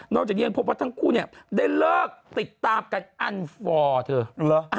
นอกจากนี้ยังพบว่าทั้งคู่ได้เลิกติดตามกันอันฟอร์เถอะ